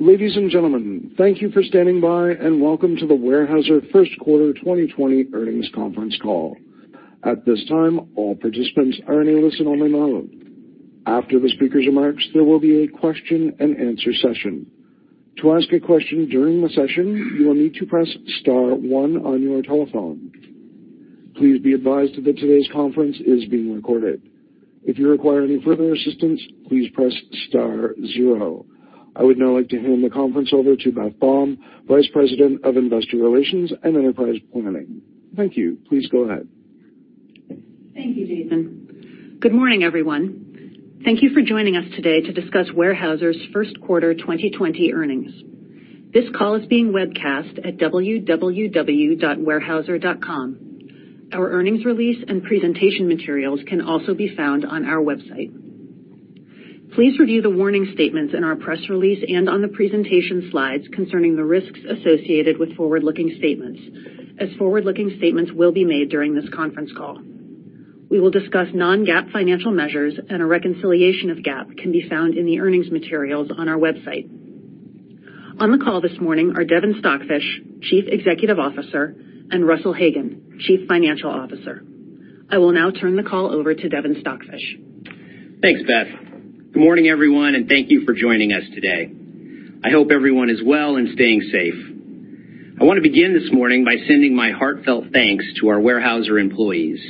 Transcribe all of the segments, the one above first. Ladies and gentlemen, thank you for standing by and welcome to the Weyerhaeuser First Quarter 2020 Earnings Conference Call. At this time, all participants are in listen-only mode. After the speaker's remarks, there will be a question-and-answer session. To ask a question during the session, you will need to press star one on your telephone. Please be advised that today's conference is being recorded. If you require any further assistance, please press star zero. I would now like to hand the conference over to Beth Baum, Vice President of Investor Relations and Enterprise Planning. Thank you. Please go ahead. Thank you, Jason. Good morning, everyone. Thank you for joining us today to discuss Weyerhaeuser's First Quarter 2020 Earnings. This call is being webcast at www.weyerhaeuser.com. Our earnings release and presentation materials can also be found on our website. Please review the warning statements in our press release and on the presentation slides concerning the risks associated with forward-looking statements, as forward-looking statements will be made during this conference call. We will discuss non-GAAP financial measures and a reconciliation of GAAP can be found in the earnings materials on our website. On the call this morning are Devin Stockfish, Chief Executive Officer, and Russell Hagen, Chief Financial Officer. I will now turn the call over to Devin Stockfish. Thanks, Beth. Good morning, everyone, and thank you for joining us today. I hope everyone is well and staying safe. I want to begin this morning by sending my heartfelt thanks to our Weyerhaeuser employees.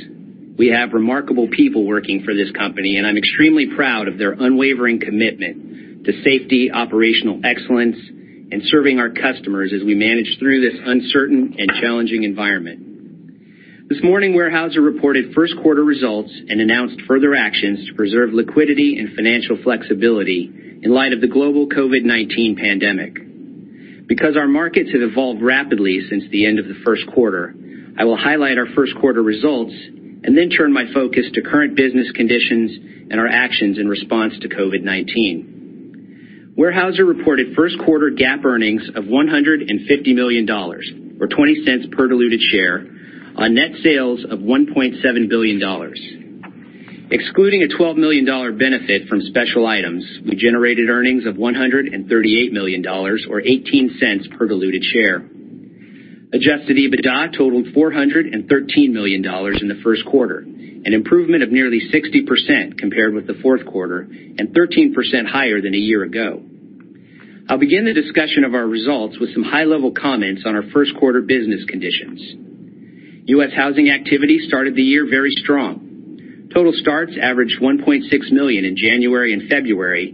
We have remarkable people working for this company, and I'm extremely proud of their unwavering commitment to safety, operational excellence, and serving our customers as we manage through this uncertain and challenging environment. This morning, Weyerhaeuser reported first quarter results and announced further actions to preserve liquidity and financial flexibility in light of the global COVID-19 pandemic. Because our markets have evolved rapidly since the end of the first quarter, I will highlight our first quarter results and then turn my focus to current business conditions and our actions in response to COVID-19. Weyerhaeuser reported first quarter GAAP earnings of $150 million, or $0.20 per diluted share, on net sales of $1.7 billion. Excluding a $12 million benefit from special items, we generated earnings of $138 million, or $0.18 per diluted share. Adjusted EBITDA totaled $413 million in the first quarter, an improvement of nearly 60% compared with the fourth quarter and 13% higher than a year ago. I'll begin the discussion of our results with some high-level comments on our first quarter business conditions. U.S. housing activity started the year very strong. Total starts averaged 1.6 million in January and February,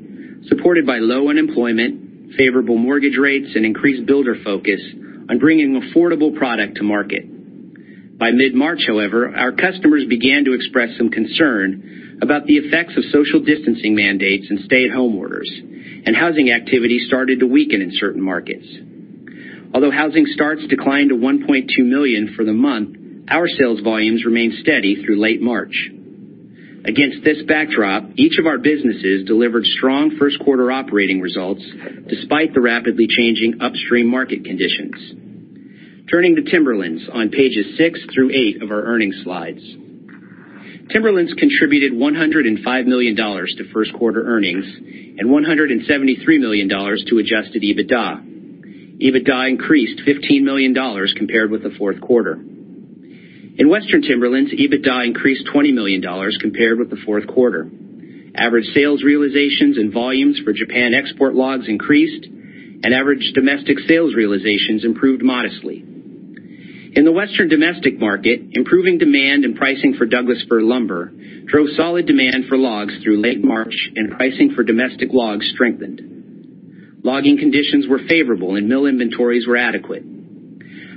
supported by low unemployment, favorable mortgage rates, and increased builder focus on bringing affordable product to market. By mid-March, however, our customers began to express some concern about the effects of social distancing mandates and stay-at-home orders, and housing activity started to weaken in certain markets. Although housing starts declined to 1.2 million for the month, our sales volumes remained steady through late March. Against this backdrop, each of our businesses delivered strong first quarter operating results despite the rapidly changing upstream market conditions. Turning to Timberlands on pages six through eight of our earnings slides, Timberlands contributed $105 million to first quarter earnings and $173 million to adjusted EBITDA. EBITDA increased $15 million compared with the fourth quarter. In Western Timberlands, EBITDA increased $20 million compared with the fourth quarter. Average sales realizations and volumes for Japan export logs increased, and average domestic sales realizations improved modestly. In the Western domestic market, improving demand and pricing for Douglas fir lumber drove solid demand for logs through late March, and pricing for domestic logs strengthened. Logging conditions were favorable, and mill inventories were adequate.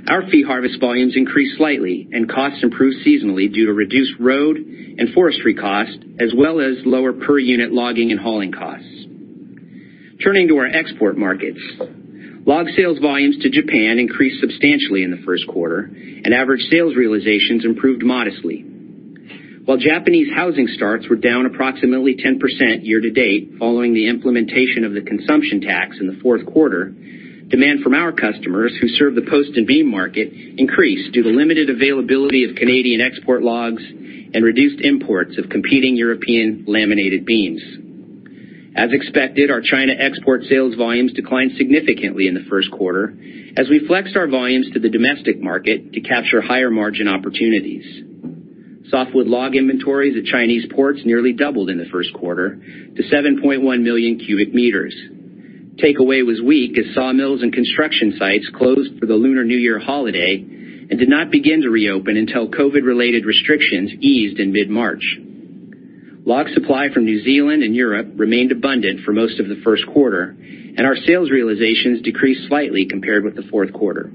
Our fee harvest volumes increased slightly, and costs improved seasonally due to reduced road and forestry costs, as well as lower per-unit logging and hauling costs. Turning to our export markets, log sales volumes to Japan increased substantially in the first quarter, and average sales realizations improved modestly. While Japanese housing starts were down approximately 10% year-to-date following the implementation of the consumption tax in the fourth quarter, demand from our customers who serve the post and beam market increased due to limited availability of Canadian export logs and reduced imports of competing European laminated beams. As expected, our China export sales volumes declined significantly in the first quarter as we flexed our volumes to the domestic market to capture higher margin opportunities. Softwood log inventories at Chinese ports nearly doubled in the first quarter to 7.1 million cubic meters. Takeaway was weak as sawmills and construction sites closed for the Lunar New Year holiday and did not begin to reopen until COVID-related restrictions eased in mid-March. Log supply from New Zealand and Europe remained abundant for most of the first quarter, and our sales realizations decreased slightly compared with the fourth quarter.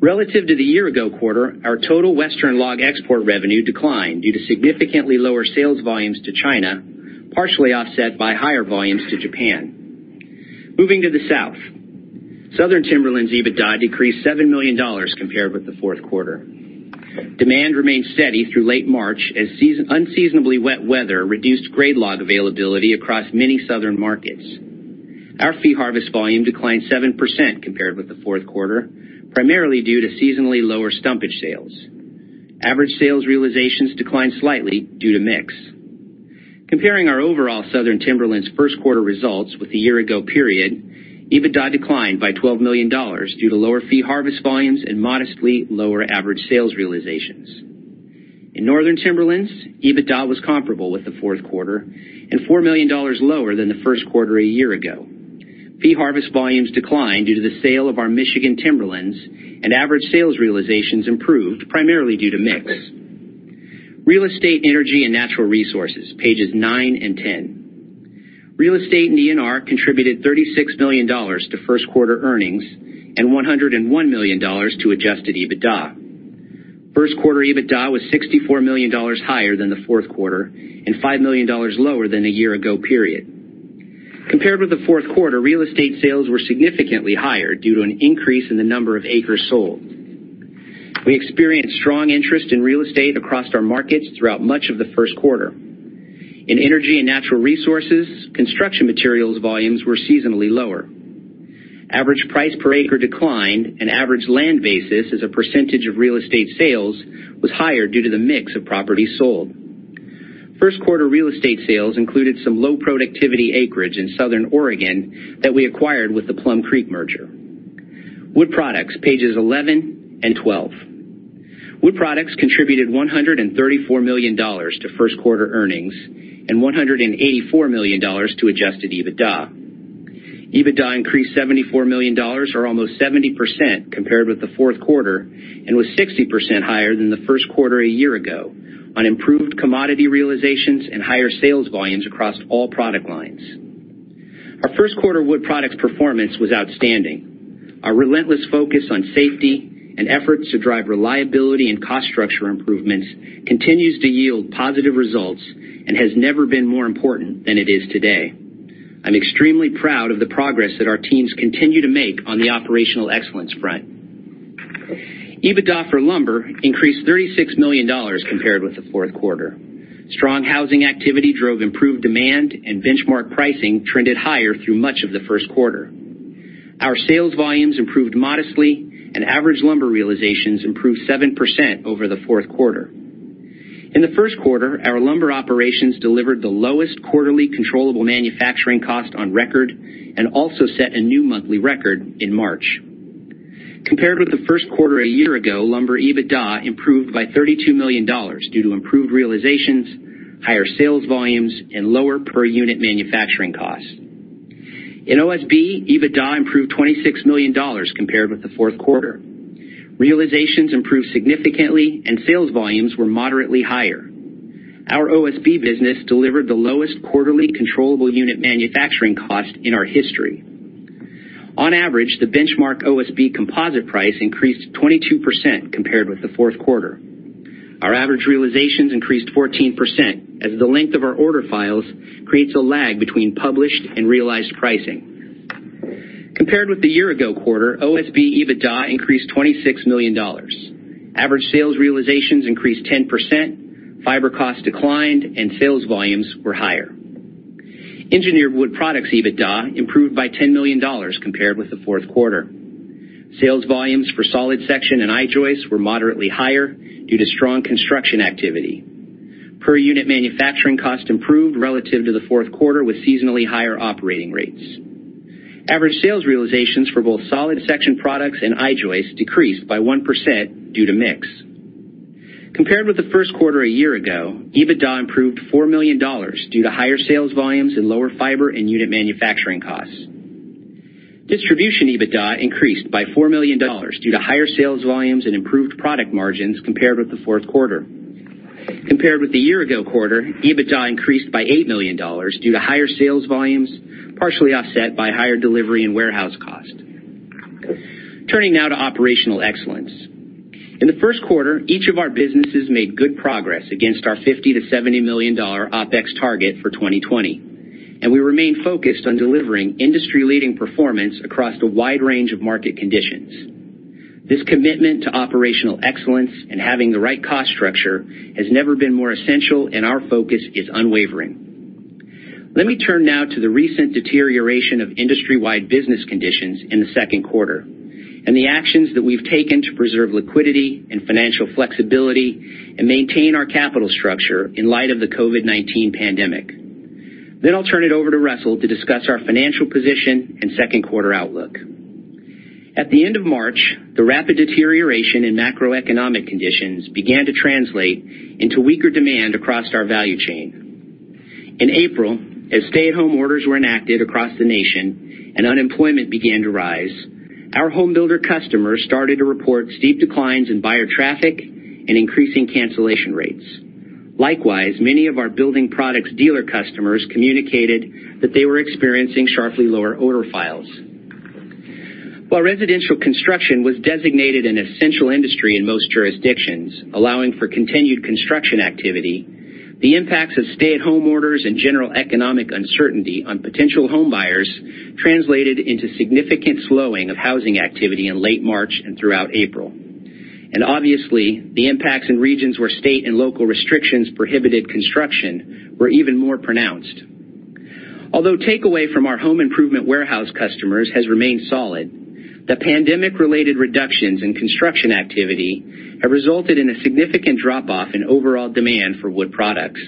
Relative to the year-ago quarter, our total Western log export revenue declined due to significantly lower sales volumes to China, partially offset by higher volumes to Japan. Moving to the South, Southern Timberlands' EBITDA decreased $7 million compared with the fourth quarter. Demand remained steady through late March as unseasonably wet weather reduced grade log availability across many Southern markets. Our fee harvest volume declined 7% compared with the fourth quarter, primarily due to seasonally lower stumpage sales. Average sales realizations declined slightly due to mix. Comparing our overall Southern Timberlands first quarter results with the year-ago period, EBITDA declined by $12 million due to lower fee harvest volumes and modestly lower average sales realizations. In Northern Timberlands, EBITDA was comparable with the fourth quarter and $4 million lower than the first quarter a year ago. Fee harvest volumes declined due to the sale of our Michigan Timberlands, and average sales realizations improved primarily due to mix. Real Estate, Energy, and Natural Resources, pages nine and ten. Real Estate and ENR contributed $36 million to first-quarter earnings and $101 million to adjusted EBITDA. First quarter EBITDA was $64 million higher than the fourth quarter and $5 million lower than the year-ago period. Compared with the fourth quarter, Real Estate sales were significantly higher due to an increase in the number of acres sold. We experienced strong interest in Real Estate across our markets throughout much of the first quarter. In Energy and Natural Resources, construction materials volumes were seasonally lower. Average price per acre declined, and average land basis as a percentage of Real Estate sales was higher due to the mix of properties sold. First-quarter Real Estate sales included some low productivity acreage in Southern Oregon that we acquired with the Plum Creek merger. Wood Products, pages 11 and 12. Wood Products contributed $134 million to first quarter earnings and $184 million to adjusted EBITDA. EBITDA increased $74 million, or almost 70%, compared with the fourth quarter and was 60% higher than the first quarter a year ago on improved commodity realizations and higher sales volumes across all product lines. Our first quarter Wood Products performance was outstanding. Our relentless focus on safety and efforts to drive reliability and cost structure improvements continues to yield positive results and has never been more important than it is today. I'm extremely proud of the progress that our teams continue to make on the operational excellence front. EBITDA for lumber increased $36 million compared with the fourth quarter. Strong housing activity drove improved demand, and benchmark pricing trended higher through much of the first quarter. Our sales volumes improved modestly, and average lumber realizations improved 7% over the fourth quarter. In the first quarter, our lumber operations delivered the lowest quarterly controllable manufacturing cost on record and also set a new monthly record in March. Compared with the first quarter a year ago, lumber EBITDA improved by $32 million due to improved realizations, higher sales volumes, and lower per unit manufacturing cost. In OSB, EBITDA improved $26 million compared with the fourth quarter. Realizations improved significantly, and sales volumes were moderately higher. Our OSB business delivered the lowest quarterly controllable unit manufacturing cost in our history. On average, the benchmark OSB Composite price increased 22% compared with the fourth quarter. Our average realizations increased 14% as the length of our order files creates a lag between published and realized pricing. Compared with the year-ago quarter, OSB EBITDA increased $26 million. Average sales realizations increased 10%, fiber cost declined, and sales volumes were higher. Engineered Wood Products EBITDA improved by $10 million compared with the fourth quarter. Sales volumes for solid section and I-joists were moderately higher due to strong construction activity. Per unit manufacturing cost improved relative to the fourth quarter with seasonally higher operating rates. Average sales realizations for both solid section products and I-joists decreased by 1% due to mix. Compared with the first quarter a year ago, EBITDA improved $4 million due to higher sales volumes and lower fiber and unit manufacturing costs. Distribution EBITDA increased by $4 million due to higher sales volumes and improved product margins compared with the fourth quarter. Compared with the year-ago quarter, EBITDA increased by $8 million due to higher sales volumes, partially offset by higher delivery and warehouse cost. Turning now to operational excellence. In the first quarter, each of our businesses made good progress against our $50 million-$70 million OpEx target for 2020, and we remain focused on delivering industry-leading performance across a wide range of market conditions. This commitment to operational excellence and having the right cost structure has never been more essential, and our focus is unwavering. Let me turn now to the recent deterioration of industry-wide business conditions in the second quarter and the actions that we've taken to preserve liquidity and financial flexibility and maintain our capital structure in light of the COVID-19 pandemic. Then I'll turn it over to Russell to discuss our financial position and second quarter outlook. At the end of March, the rapid deterioration in macroeconomic conditions began to translate into weaker demand across our value chain. In April, as stay-at-home orders were enacted across the nation and unemployment began to rise, our homebuilder customers started to report steep declines in buyer traffic and increasing cancellation rates. Likewise, many of our building products dealer customers communicated that they were experiencing sharply lower order files. While residential construction was designated an essential industry in most jurisdictions, allowing for continued construction activity, the impacts of stay-at-home orders and general economic uncertainty on potential homebuyers translated into significant slowing of housing activity in late March and throughout April, and obviously, the impacts in regions where state and local restrictions prohibited construction were even more pronounced. Although takeaway from our home improvement warehouse customers has remained solid, the pandemic-related reductions in construction activity have resulted in a significant drop-off in overall demand for Wood Products.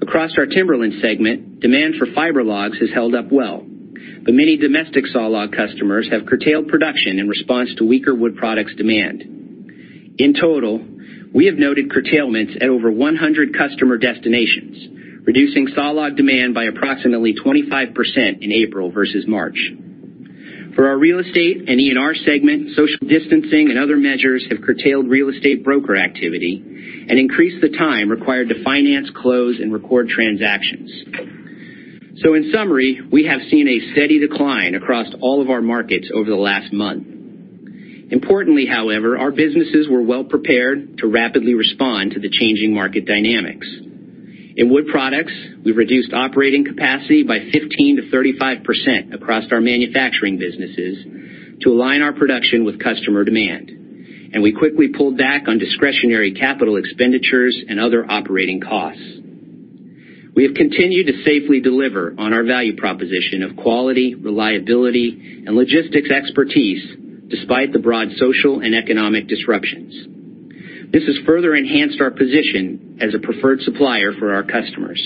Across our Timberlands segment, demand for fiber logs has held up well, but many domestic saw log customers have curtailed production in response to weaker Wood Products demand. In total, we have noted curtailments at over 100 customer destinations, reducing saw log demand by approximately 25% in April versus March. For our Real Estate and ENR segment, social distancing and other measures have curtailed Real Estate broker activity and increased the time required to finance, close, and record transactions. So in summary, we have seen a steady decline across all of our markets over the last month. Importantly, however, our businesses were well prepared to rapidly respond to the changing market dynamics. In Wood Products, we've reduced operating capacity by 15%-35% across our manufacturing businesses to align our production with customer demand, and we quickly pulled back on discretionary capital expenditures and other operating costs. We have continued to safely deliver on our value proposition of quality, reliability, and logistics expertise despite the broad social and economic disruptions. This has further enhanced our position as a preferred supplier for our customers.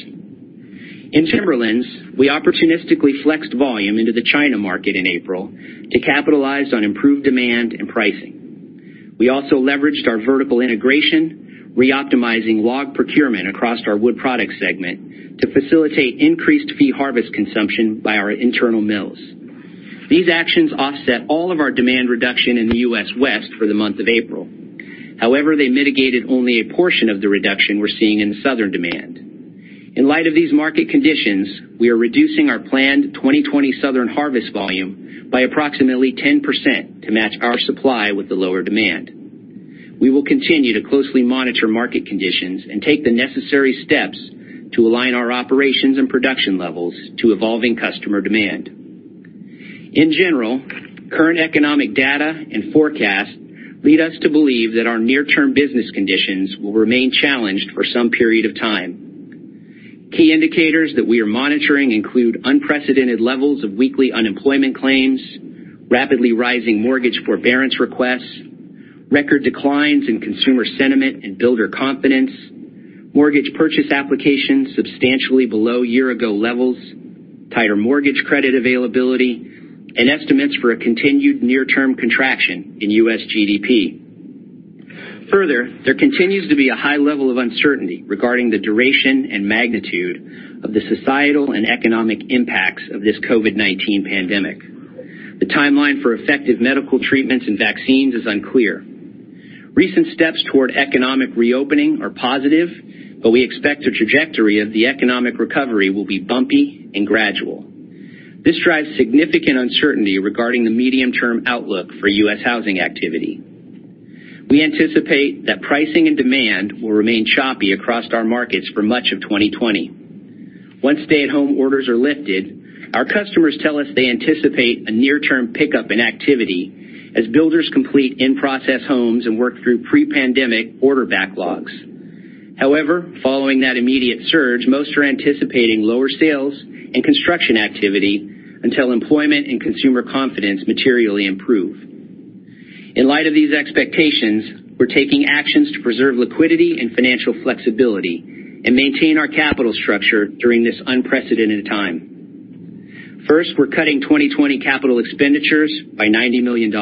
In Timberlands, we opportunistically flexed volume into the China market in April to capitalize on improved demand and pricing. We also leveraged our vertical integration, reoptimizing log procurement across our Wood Products segment to facilitate increased fee harvest consumption by our internal mills. These actions offset all of our demand reduction in the U.S. West for the month of April. However, they mitigated only a portion of the reduction we're seeing in the Southern demand. In light of these market conditions, we are reducing our planned 2020 Southern harvest volume by approximately 10% to match our supply with the lower demand. We will continue to closely monitor market conditions and take the necessary steps to align our operations and production levels to evolving customer demand. In general, current economic data and forecasts lead us to believe that our near-term business conditions will remain challenged for some period of time. Key indicators that we are monitoring include unprecedented levels of weekly unemployment claims, rapidly rising mortgage forbearance requests, record declines in consumer sentiment and builder confidence, mortgage purchase applications substantially below year-ago levels, tighter mortgage credit availability, and estimates for a continued near-term contraction in U.S. GDP. Further, there continues to be a high level of uncertainty regarding the duration and magnitude of the societal and economic impacts of this COVID-19 pandemic. The timeline for effective medical treatments and vaccines is unclear. Recent steps toward economic reopening are positive, but we expect the trajectory of the economic recovery will be bumpy and gradual. This drives significant uncertainty regarding the medium-term outlook for U.S. housing activity. We anticipate that pricing and demand will remain choppy across our markets for much of 2020. Once stay-at-home orders are lifted, our customers tell us they anticipate a near-term pickup in activity as builders complete in-process homes and work through pre-pandemic order backlogs. However, following that immediate surge, most are anticipating lower sales and construction activity until employment and consumer confidence materially improve. In light of these expectations, we're taking actions to preserve liquidity and financial flexibility and maintain our capital structure during this unprecedented time. First, we're cutting 2020 capital expenditures by $90 million.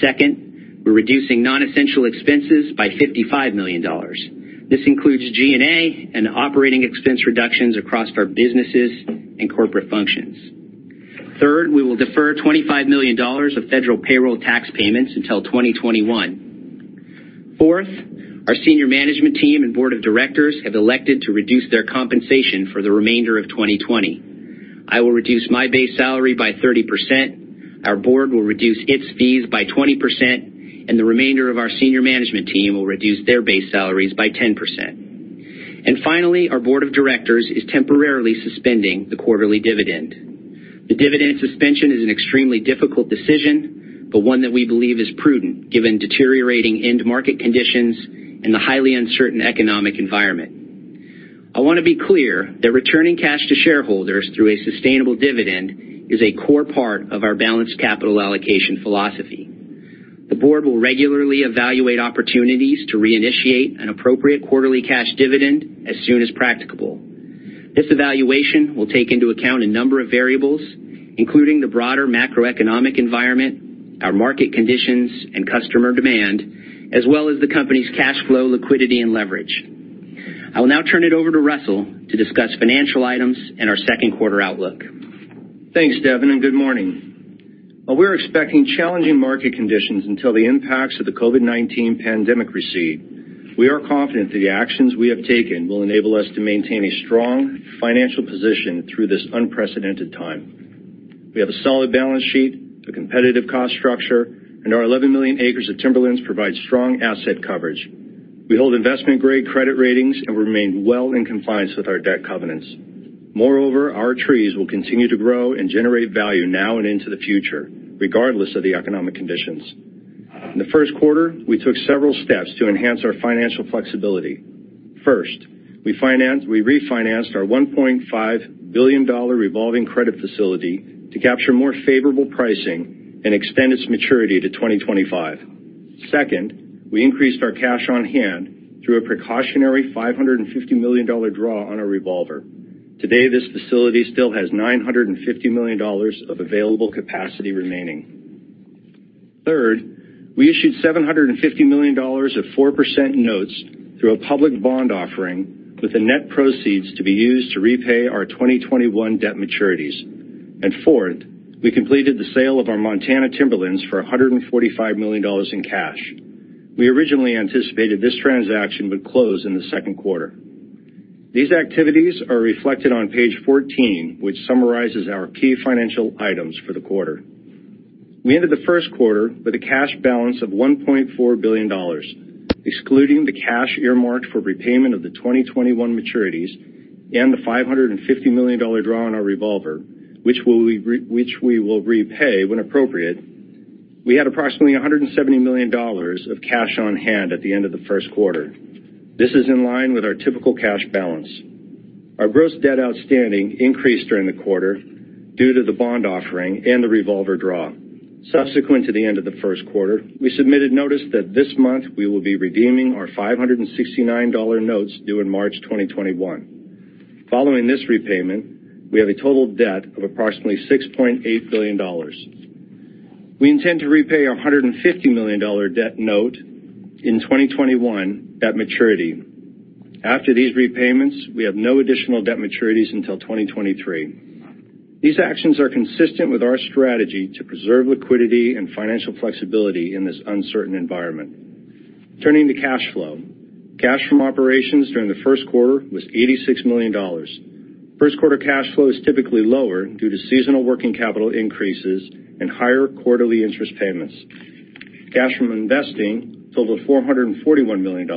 Second, we're reducing non-essential expenses by $55 million. This includes G&A and operating expense reductions across our businesses and corporate functions. Third, we will defer $25 million of federal payroll tax payments until 2021. Fourth, our senior management team and board of directors have elected to reduce their compensation for the remainder of 2020. I will reduce my base salary by 30%. Our board will reduce its fees by 20%, and the remainder of our senior management team will reduce their base salaries by 10%, and finally, our board of directors is temporarily suspending the quarterly dividend. The dividend suspension is an extremely difficult decision, but one that we believe is prudent given deteriorating end market conditions and the highly uncertain economic environment. I want to be clear that returning cash to shareholders through a sustainable dividend is a core part of our balanced capital allocation philosophy. The board will regularly evaluate opportunities to reinitiate an appropriate quarterly cash dividend as soon as practicable. This evaluation will take into account a number of variables, including the broader macroeconomic environment, our market conditions, and customer demand, as well as the company's cash flow, liquidity, and leverage. I will now turn it over to Russell to discuss financial items and our second quarter outlook. Thanks, Devin, and good morning. While we're expecting challenging market conditions until the impacts of the COVID-19 pandemic recede, we are confident that the actions we have taken will enable us to maintain a strong financial position through this unprecedented time. We have a solid balance sheet, a competitive cost structure, and our 11 million acres of Timberlands provide strong asset coverage. We hold investment-grade credit ratings and remain well in compliance with our debt covenants. Moreover, our trees will continue to grow and generate value now and into the future, regardless of the economic conditions. In the first quarter, we took several steps to enhance our financial flexibility. First, we refinanced our $1.5 billion revolving credit facility to capture more favorable pricing and extend its maturity to 2025. Second, we increased our cash on hand through a precautionary $550 million draw on a revolver. Today, this facility still has $950 million of available capacity remaining. Third, we issued $750 million of 4% notes through a public bond offering with the net proceeds to be used to repay our 2021 debt maturities. And fourth, we completed the sale of our Montana Timberlands for $145 million in cash. We originally anticipated this transaction would close in the second quarter. These activities are reflected on page 14, which summarizes our key financial items for the quarter. We ended the first quarter with a cash balance of $1.4 billion, excluding the cash earmarked for repayment of the 2021 maturities and the $550 million draw on our revolver, which we will repay when appropriate. We had approximately $170 million of cash on hand at the end of the first quarter. This is in line with our typical cash balance. Our gross debt outstanding increased during the quarter due to the bond offering and the revolver draw. Subsequent to the end of the first quarter, we submitted notice that this month we will be redeeming our $569 million notes due in March 2021. Following this repayment, we have a total debt of approximately $6.8 billion. We intend to repay our $150 million debt note in 2021 at maturity. After these repayments, we have no additional debt maturities until 2023. These actions are consistent with our strategy to preserve liquidity and financial flexibility in this uncertain environment. Turning to cash flow, cash from operations during the first quarter was $86 million. First-quarter cash flow is typically lower due to seasonal working capital increases and higher quarterly interest payments. Cash from investing totaled $441 million.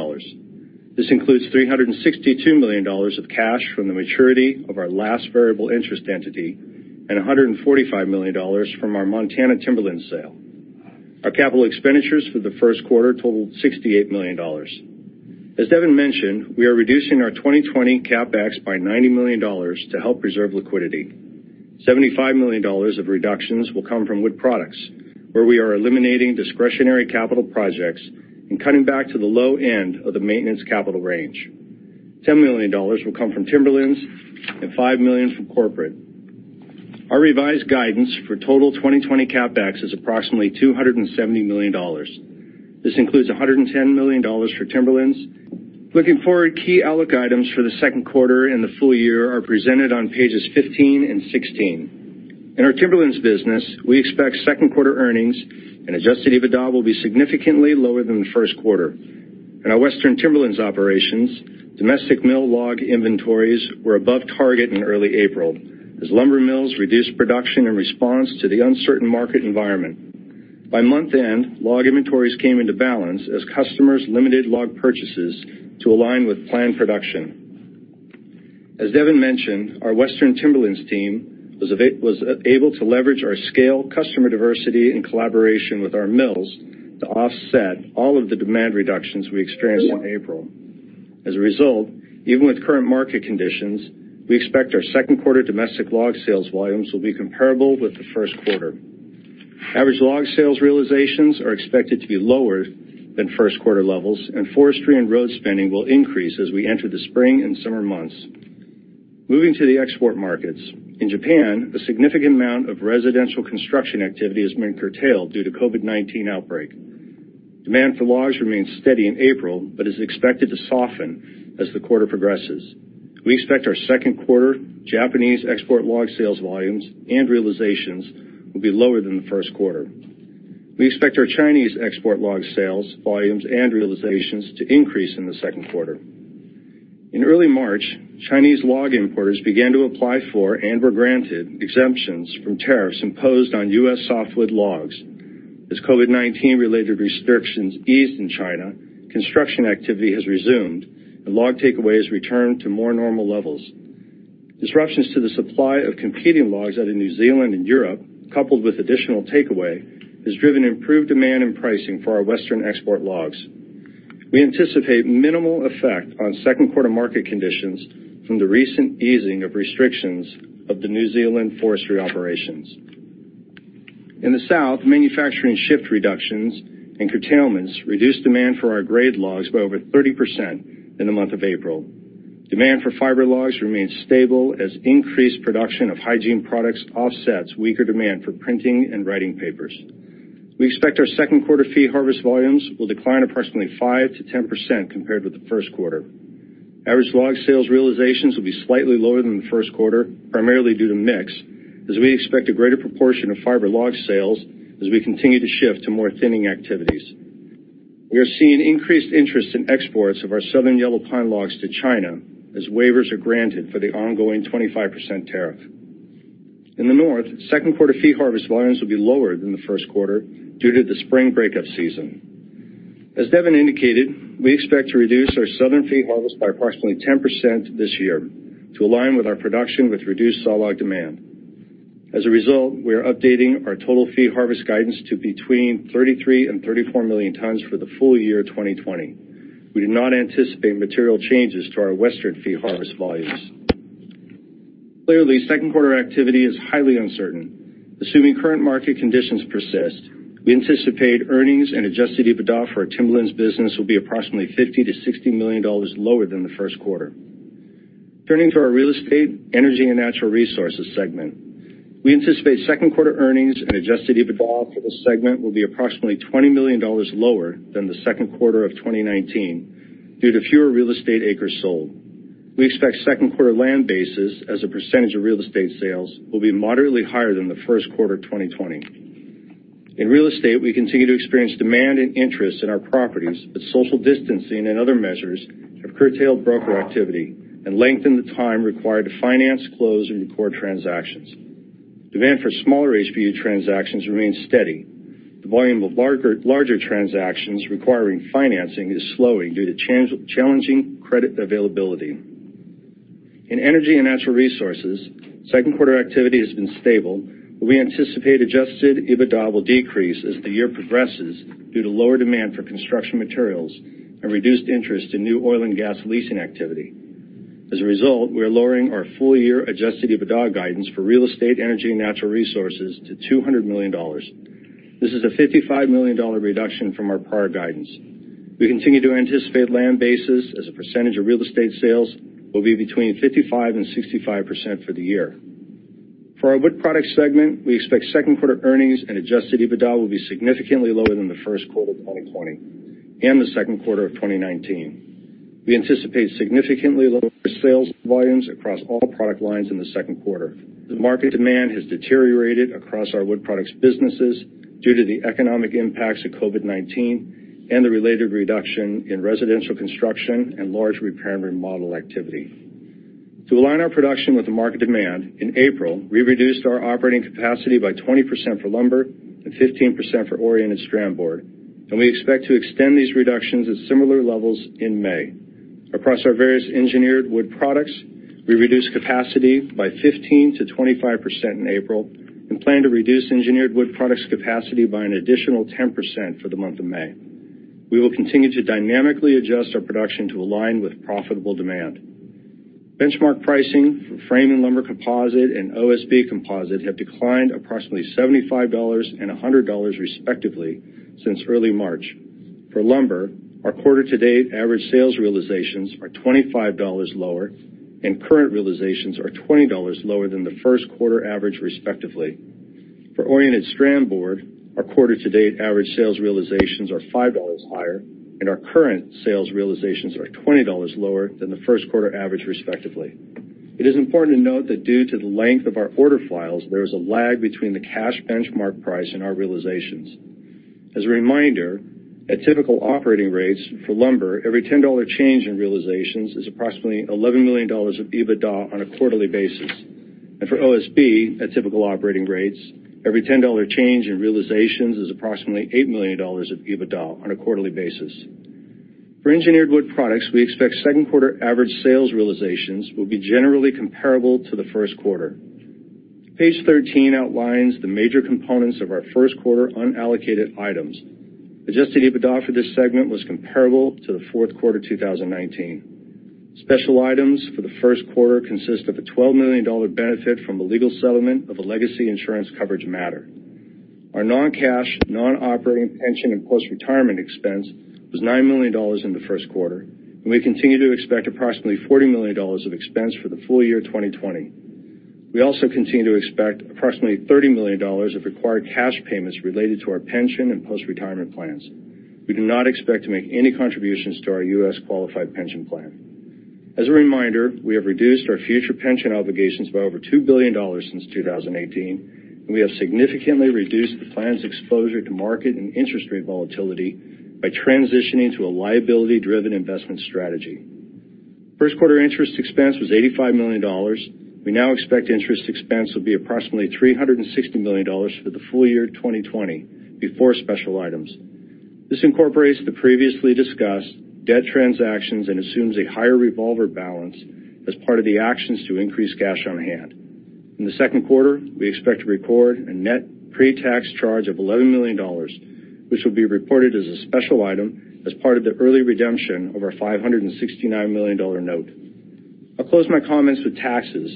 This includes $362 million of cash from the maturity of our last variable interest entity and $145 million from our Montana Timberlands sale. Our capital expenditures for the first quarter totaled $68 million. As Devin mentioned, we are reducing our 2020 CapEx by $90 million to help preserve liquidity. $75 million of reductions will come from Wood Products, where we are eliminating discretionary capital projects and cutting back to the low end of the maintenance capital range. $10 million will come from Timberlands and $5 million from corporate. Our revised guidance for total 2020 CapEx is approximately $270 million. This includes $110 million for Timberlands. Looking forward, key outlook items for the second quarter and the full year are presented on pages 15 and 16. In our Timberlands business, we expect second- quarter earnings and adjusted EBITDA will be significantly lower than the first quarter. In our Western Timberlands operations, domestic mill log inventories were above target in early April, as lumber mills reduced production in response to the uncertain market environment. By month-end, log inventories came into balance as customers limited log purchases to align with planned production. As Devin mentioned, our Western Timberlands team was able to leverage our scale, customer diversity, and collaboration with our mills to offset all of the demand reductions we experienced in April. As a result, even with current market conditions, we expect our second quarter domestic log sales volumes will be comparable with the first quarter. Average log sales realizations are expected to be lower than first-quarter levels, and forestry and road spending will increase as we enter the spring and summer months. Moving to the export markets, in Japan, a significant amount of residential construction activity has been curtailed due to the COVID-19 outbreak. Demand for logs remains steady in April but is expected to soften as the quarter progresses. We expect our second-quarter Japanese export log sales volumes and realizations will be lower than the first quarter. We expect our Chinese export log sales volumes and realizations to increase in the second quarter. In early March, Chinese log importers began to apply for and were granted exemptions from tariffs imposed on U.S. softwood logs. As COVID-19-related restrictions eased in China, construction activity has resumed, and log takeaways returned to more normal levels. Disruptions to the supply of competing logs out of New Zealand and Europe, coupled with additional takeaway, have driven improved demand and pricing for our Western export logs. We anticipate minimal effect on second-quarter market conditions from the recent easing of restrictions of the New Zealand forestry operations. In the South, manufacturing shift reductions and curtailments reduced demand for our grade logs by over 30% in the month of April. Demand for fiber logs remains stable as increased production of hygiene products offsets weaker demand for printing and writing papers. We expect our second-quarter fee harvest volumes will decline approximately 5%-10% compared with the first quarter. Average log sales realizations will be slightly lower than the first quarter, primarily due to mix, as we expect a greater proportion of fiber log sales as we continue to shift to more thinning activities. We are seeing increased interest in exports of our Southern Yellow Pine logs to China as waivers are granted for the ongoing 25% tariff. In the North, second-quarter fee harvest volumes will be lower than the first-quarter due to the spring breakup season. As Devin indicated, we expect to reduce our Southern fee harvest by approximately 10% this year to align with our production with reduced saw log demand. As a result, we are updating our total fee harvest guidance to between 33 and 34 million tons for the full year 2020. We do not anticipate material changes to our western fee harvest volumes. Clearly, second-quarter activity is highly uncertain. Assuming current market conditions persist, we anticipate earnings and adjusted EBITDA for our Timberlands business will be approximately $50 million-$60 million lower than the first quarter. Turning to our Real Estate, Energy, and Natural Resources segment, we anticipate second quarter earnings and adjusted EBITDA for this segment will be approximately $20 million lower than the second quarter of 2019 due to fewer Real Estate acres sold. We expect second quarter land bases as a percentage of Real Estate sales will be moderately higher than the first quarter of 2020. In Real Estate, we continue to experience demand and interest in our properties, but social distancing and other measures have curtailed broker activity and lengthened the time required to finance, close, and record transactions. Demand for smaller HBU transactions remains steady. The volume of larger transactions requiring financing is slowing due to challenging credit availability. In Energy and Natural Resources, second quarter activity has been stable, but we anticipate adjusted EBITDA will decrease as the year progresses due to lower demand for construction materials and reduced interest in new oil and gas leasing activity. As a result, we are lowering our full-year adjusted EBITDA guidance for Real Estate, energy, and natural resources to $200 million. This is a $55 million reduction from our prior guidance. We continue to anticipate land sales as a percentage of Real Estate sales will be between 55% and 65% for the year. For our Wood Products segment, we expect second-quarter earnings and adjusted EBITDA will be significantly lower than the first-quarter of 2020 and the second-quarter of 2019. We anticipate significantly lower sales volumes across all product lines in the second quarter. The market demand has deteriorated across our wood products businesses due to the economic impacts of COVID-19 and the related reduction in residential construction and large repair and remodel activity. To align our production with the market demand, in April, we reduced our operating capacity by 20% for lumber and 15% for oriented strand board, and we expect to extend these reductions at similar levels in May. Across our various engineered Wood Products, we reduced capacity by 15%-25% in April and plan to reduce engineered Wood Products capacity by an additional 10% for the month of May. We will continue to dynamically adjust our production to align with profitable demand. Benchmark pricing for Framing Lumber Composite and OSB Composite have declined approximately $75 and $100 respectively since early March. For lumber, our quarter-to-date average sales realizations are $25 lower, and current realizations are $20 lower than the first quarter average, respectively. For oriented strand board, our quarter-to-date average sales realizations are $5 higher, and our current sales realizations are $20 lower than the first quarter average, respectively. It is important to note that due to the length of our order files, there is a lag between the cash benchmark price and our realizations. As a reminder, at typical operating rates for lumber, every $10 change in realizations is approximately $11 million of EBITDA on a quarterly basis, and for OSB, at typical operating rates, every $10 change in realizations is approximately $8 million of EBITDA on a quarterly basis. For engineered Wood Products, we expect second-quarter average sales realizations will be generally comparable to the first quarter. Page 13 outlines the major components of our first-quarter unallocated items. Adjusted EBITDA for this segment was comparable to the fourth quarter 2019. Special items for the first quarter consist of a $12 million benefit from a legal settlement of a legacy insurance coverage matter. Our non-cash, non-operating pension and post-retirement expense was $9 million in the first quarter, and we continue to expect approximately $40 million of expense for the full year 2020. We also continue to expect approximately $30 million of required cash payments related to our pension and post-retirement plans. We do not expect to make any contributions to our U.S. qualified pension plan. As a reminder, we have reduced our future pension obligations by over $2 billion since 2018, and we have significantly reduced the plan's exposure to market and interest rate volatility by transitioning to a liability-driven investment strategy. First quarter interest expense was $85 million. We now expect interest expense will be approximately $360 million for the full year 2020 before special items. This incorporates the previously discussed debt transactions and assumes a higher revolver balance as part of the actions to increase cash on hand. In the second quarter, we expect to record a net pre-tax charge of $11 million, which will be reported as a special item as part of the early redemption of our $569 million note. I'll close my comments with taxes.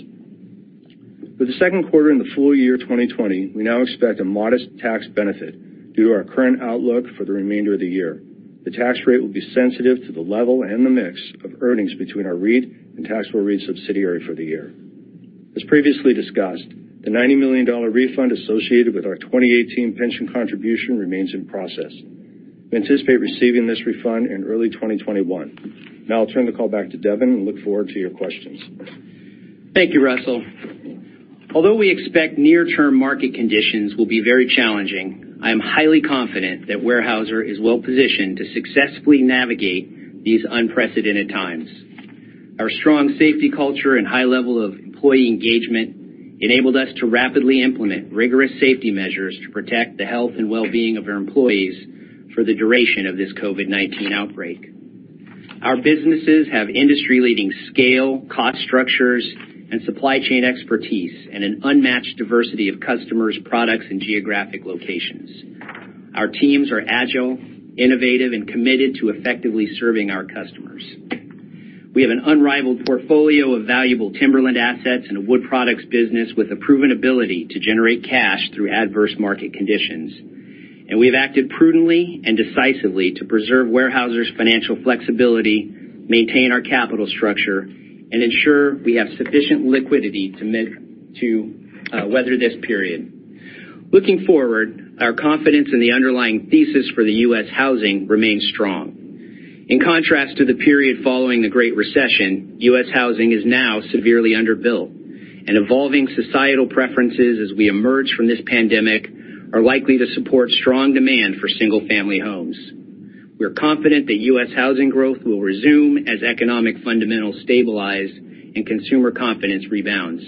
For the second quarter in the full year 2020, we now expect a modest tax benefit due to our current outlook for the remainder of the year. The tax rate will be sensitive to the level and the mix of earnings between our REIT and taxable REIT subsidiary for the year. As previously discussed, the $90 million refund associated with our 2018 pension contribution remains in process. We anticipate receiving this refund in early 2021. Now I'll turn the call back to Devin and look forward to your questions. Thank you, Russell. Although we expect near-term market conditions will be very challenging, I am highly confident that Weyerhaeuser is well-positioned to successfully navigate these unprecedented times. Our strong safety culture and high level of employee engagement enabled us to rapidly implement rigorous safety measures to protect the health and well-being of our employees for the duration of this COVID-19 outbreak. Our businesses have industry-leading scale, cost structures, and supply chain expertise, and an unmatched diversity of customers, products, and geographic locations. Our teams are agile, innovative, and committed to effectively serving our customers. We have an unrivaled portfolio of valuable Timberlands assets and a Wood Products business with a proven ability to generate cash through adverse market conditions, and we have acted prudently and decisively to preserve Weyerhaeuser's financial flexibility, maintain our capital structure, and ensure we have sufficient liquidity to weather this period. Looking forward, our confidence in the underlying thesis for the U.S. housing remains strong. In contrast to the period following the Great Recession, U.S. housing is now severely underbuilt, and evolving societal preferences as we emerge from this pandemic are likely to support strong demand for single-family homes. We are confident that U.S. housing growth will resume as economic fundamentals stabilize and consumer confidence rebounds,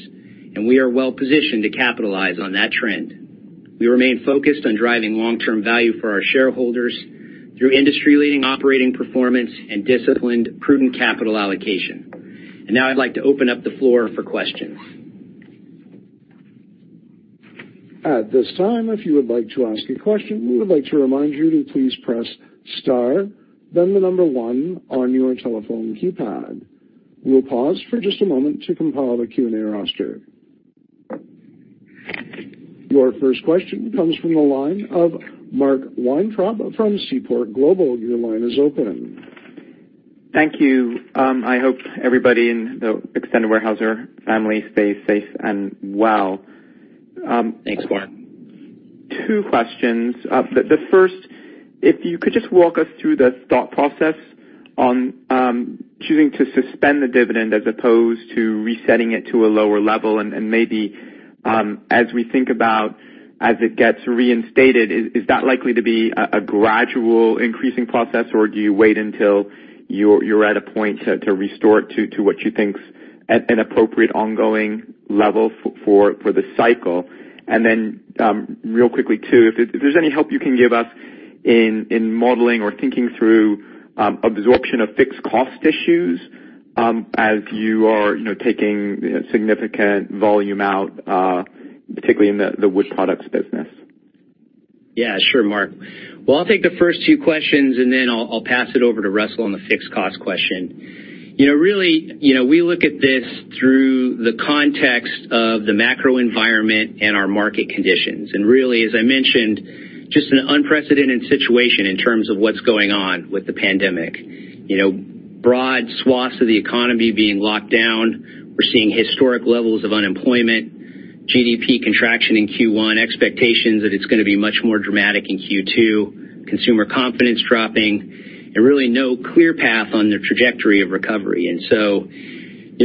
and we are well-positioned to capitalize on that trend. We remain focused on driving long-term value for our shareholders through industry-leading operating performance and disciplined, prudent capital allocation. Now I'd like to open up the floor for questions. At this time, if you would like to ask a question, we would like to remind you to please press star, then the number one on your telephone keypad. We will pause for just a moment to compile the Q&A roster. Your first question comes from the line of Mark Weintraub from Seaport Global. Your line is open. Thank you. I hope everybody in the extended Weyerhaeuser family stays safe and well. Thanks, Mark. Two questions. The first, if you could just walk us through the thought process on choosing to suspend the dividend as opposed to resetting it to a lower level. And maybe as we think about as it gets reinstated, is that likely to be a gradual increasing process, or do you wait until you're at a point to restore it to what you think is an appropriate ongoing level for the cycle? And then real quickly, too, if there's any help you can give us in modeling or thinking through absorption of fixed cost issues as you are taking significant volume out, particularly in the Wood Products business. Yeah, sure, Mark. Well, I'll take the first two questions, and then I'll pass it over to Russell on the fixed cost question. Really, we look at this through the context of the macro environment and our market conditions. And really, as I mentioned, just an unprecedented situation in terms of what's going on with the pandemic. Broad swaths of the economy being locked down. We're seeing historic levels of unemployment, GDP contraction in Q1, expectations that it's going to be much more dramatic in Q2, consumer confidence dropping, and really no clear path on the trajectory of recovery, and so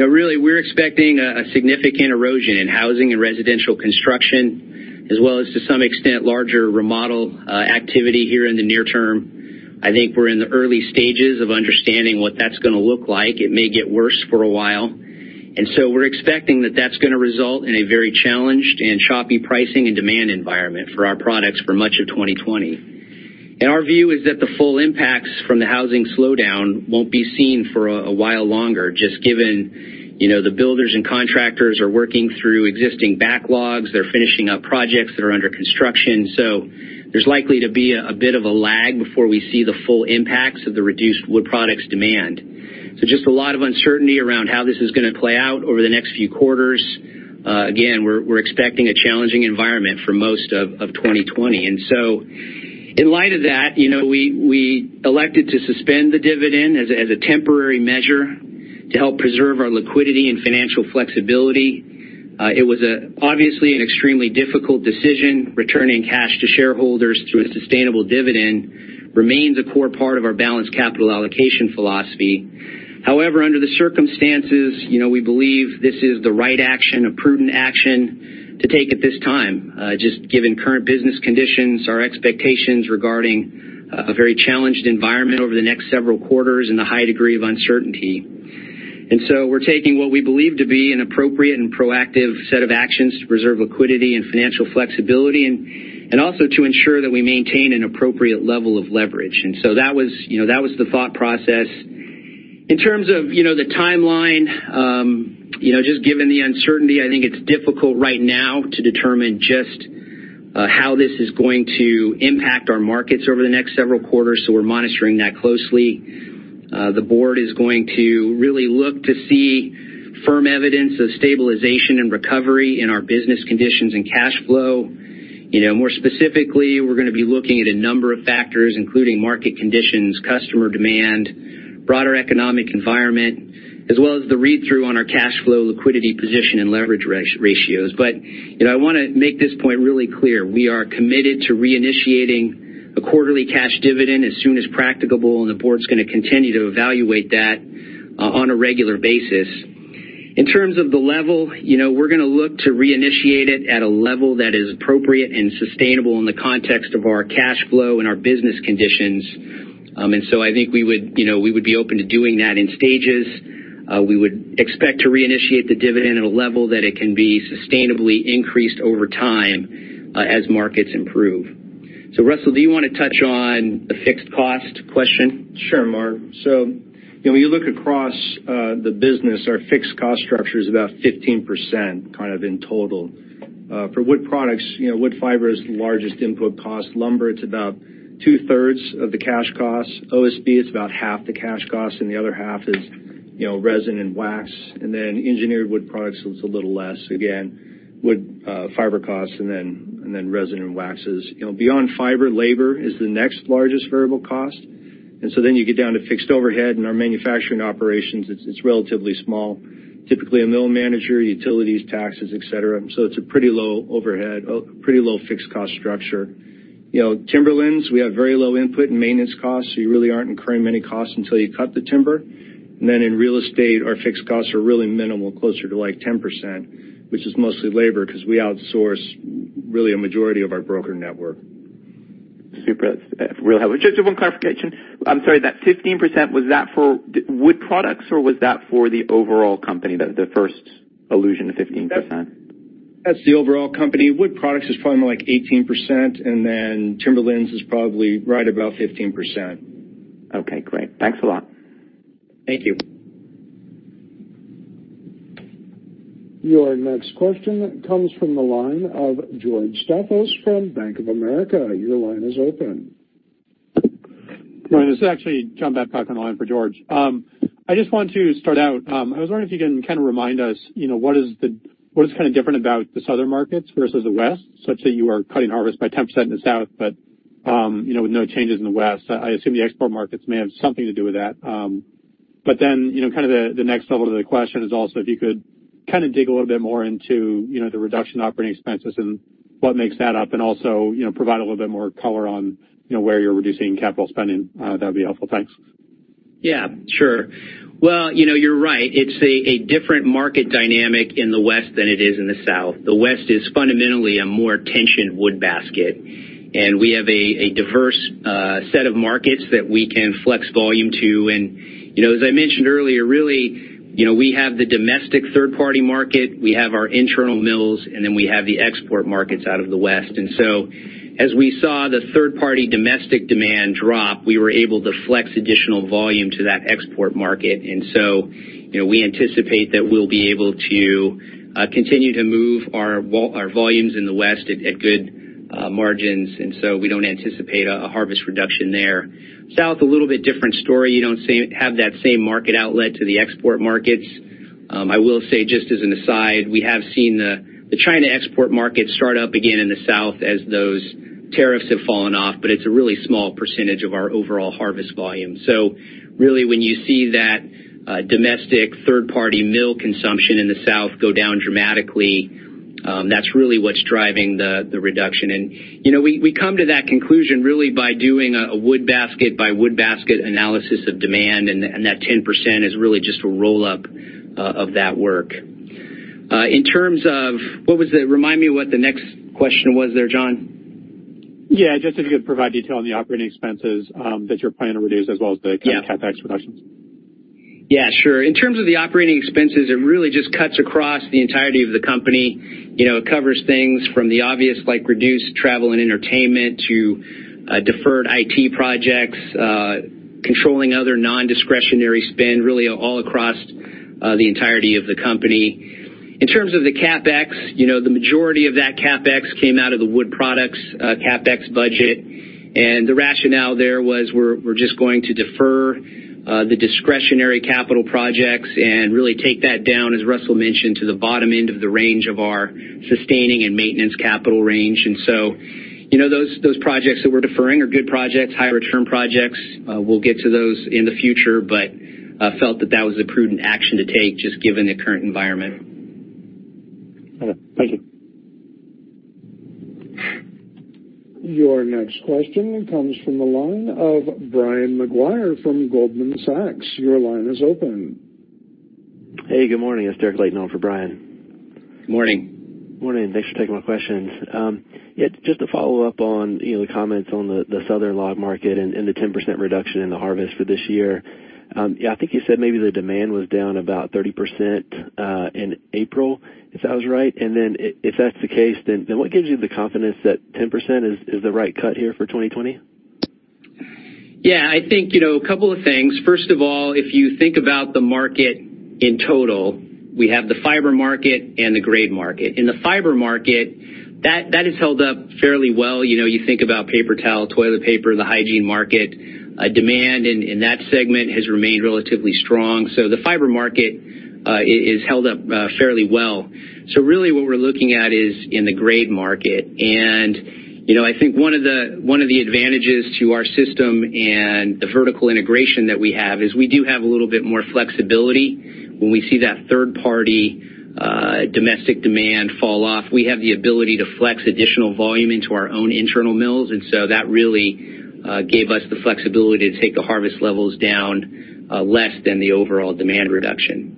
really, we're expecting a significant erosion in housing and residential construction, as well as to some extent larger remodel activity here in the near term. I think we're in the early stages of understanding what that's going to look like. It may get worse for a while, and so we're expecting that that's going to result in a very challenged and choppy pricing and demand environment for our products for much of 2020, and our view is that the full impacts from the housing slowdown won't be seen for a while longer, just given the builders and contractors are working through existing backlogs, they're finishing up projects that are under construction. So there's likely to be a bit of a lag before we see the full impacts of the reduced Wood Products demand. So just a lot of uncertainty around how this is going to play out over the next few quarters. Again, we're expecting a challenging environment for most of 2020. And so in light of that, we elected to suspend the dividend as a temporary measure to help preserve our liquidity and financial flexibility. It was obviously an extremely difficult decision. Returning cash to shareholders through a sustainable dividend remains a core part of our balanced capital allocation philosophy. However, under the circumstances, we believe this is the right action, a prudent action to take at this time, just given current business conditions, our expectations regarding a very challenged environment over the next several quarters, and the high degree of uncertainty. And so we're taking what we believe to be an appropriate and proactive set of actions to preserve liquidity and financial flexibility, and also to ensure that we maintain an appropriate level of leverage. And so that was the thought process. In terms of the timeline, just given the uncertainty, I think it's difficult right now to determine just how this is going to impact our markets over the next several quarters. So we're monitoring that closely. The board is going to really look to see firm evidence of stabilization and recovery in our business conditions and cash flow. More specifically, we're going to be looking at a number of factors, including market conditions, customer demand, broader economic environment, as well as the read-through on our cash flow, liquidity position, and leverage ratios. But I want to make this point really clear. We are committed to reinitiating a quarterly cash dividend as soon as practicable, and the board's going to continue to evaluate that on a regular basis. In terms of the level, we're going to look to reinitiate it at a level that is appropriate and sustainable in the context of our cash flow and our business conditions. And so I think we would be open to doing that in stages. We would expect to reinitiate the dividend at a level that it can be sustainably increased over time as markets improve. So Russell, do you want to touch on the fixed cost question? Sure, Mark. So when you look across the business, our fixed cost structure is about 15% kind of in total. For Wood Products, wood fiber is the largest input cost. Lumber, it's about two-thirds of the cash cost. OSB, it's about half the cash cost, and the other half is resin and wax. And then engineered Wood Products, it's a little less. Again, wood fiber costs and then resin and waxes. Beyond fiber, labor is the next largest variable cost. And so then you get down to fixed overhead, and our manufacturing operations, it's relatively small. Typically, a mill manager, utilities, taxes, etc. So it's a pretty low overhead, pretty low fixed cost structure. Timberlands, we have very low input and maintenance costs, so you really aren't incurring many costs until you cut the timber. And then in real estate, our fixed costs are really minimal, closer to like 10%, which is mostly labor because we outsource really a majority of our broker network. Just one clarification. I'm sorry, that 15%, was that for Wood Products, or was that for the overall company, the first allusion to 15%? That's the overall company. Wood Products is probably like 18%, and then Timberlands is probably right about 15%. Okay, great. Thanks a lot. Thank you. Your next question comes from the line of John Babcock from Bank of America. Your line is open. This is actually John Babcock on the line for George. I just want to start out. I was wondering if you can kind of remind us what is kind of different about the Southern markets versus the west, such that you are cutting harvest by 10% in the South, but with no changes in the west. I assume the export markets may have something to do with that. But then kind of the next level of the question is also if you could kind of dig a little bit more into the reduction of operating expenses and what makes that up, and also provide a little bit more color on where you're reducing capital spending. That would be helpful. Thanks. Yeah, sure. Well, you're right. It's a different market dynamic in the west than it is in the South. The west is fundamentally a more tensioned wood basket. And we have a diverse set of markets that we can flex volume to. And as I mentioned earlier, really, we have the domestic third-party market, we have our internal mills, and then we have the export markets out of the west. And so as we saw the third-party domestic demand drop, we were able to flex additional volume to that export market. And so we anticipate that we'll be able to continue to move our volumes in the West at good margins. And so we don't anticipate a harvest reduction there. South, a little bit different story. You don't have that same market outlet to the export markets. I will say, just as an aside, we have seen the China export market start up again in the South as those tariffs have fallen off, but it's a really small percentage of our overall harvest volume. So really, when you see that domestic third-party mill consumption in the South go down dramatically, that's really what's driving the reduction. And we come to that conclusion really by doing a wood basket by wood basket analysis of demand, and that 10% is really just a roll-up of that work. In terms of what was the remind me what the next question was there, John? Yeah, just if you could provide detail on the operating expenses that you're planning to reduce, as well as the kind of CapEx reductions. Yeah, sure. In terms of the operating expenses, it really just cuts across the entirety of the company. It covers things from the obvious, like reduced travel and entertainment, to deferred IT projects, controlling other non-discretionary spend, really all across the entirety of the company. In terms of the CapEx, the majority of that CapEx came out of the Wood Products CapEx budget. And the rationale there was we're just going to defer the discretionary capital projects and really take that down, as Russell mentioned, to the bottom end of the range of our sustaining and maintenance capital range. And so those projects that we're deferring are good projects, high return projects. We'll get to those in the future, but felt that that was a prudent action to take just given the current environment. Thank you. Your next question comes from the line of Derrick Layton from Goldman Sachs. Your line is open. Hey, good morning. It's Derek Layton over for Brian. Morning. Morning. Thanks for taking my questions. Just to follow up on the comments on the Southern log market and the 10% reduction in the harvest for this year, I think you said maybe the demand was down about 30% in April, if that was right. And then if that's the case, then what gives you the confidence that 10% is the right cut here for 2020? Yeah, I think a couple of things. First of all, if you think about the market in total, we have the fiber market and the grade market. In the fiber market, that is held up fairly well. You think about paper towel, toilet paper, the hygiene market. Demand in that segment has remained relatively strong. So the fiber market is held up fairly well. So really what we're looking at is in the grade market. And I think one of the advantages to our system and the vertical integration that we have is we do have a little bit more flexibility when we see that third-party domestic demand fall off. We have the ability to flex additional volume into our own internal mills. And so that really gave us the flexibility to take the harvest levels down less than the overall demand reduction.